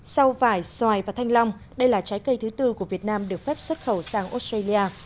sau vải xoài và thanh long đây là trái cây thứ tư của việt nam được phép xuất khẩu sang australia